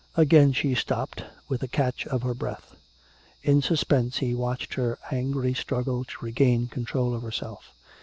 Again she stopped, with a catch of her breath. In suspense he watched her angry struggle to regain control of herself.